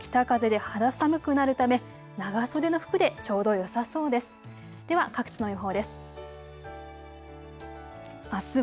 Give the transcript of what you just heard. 雨と北風で肌寒くなるため長袖の服でちょうどよさそうです。